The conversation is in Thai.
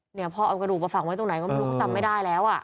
เนี่ยพ่อเอากระดูกมาฝังไว้ตรงไหนก็ไม่รู้เขาจำไม่ได้แล้วอ่ะ